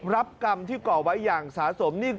รับกรรมที่ก่อไว้อย่างสะสมนี่